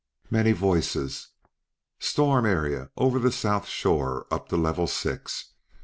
Many voices: "Storm area, over the South shore up to Level Six.